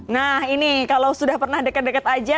nah ini kalau sudah pernah deket deket aja